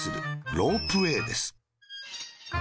ロープウェーです。